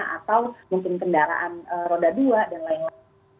atau mungkin kendaraan roda roda atau apa apa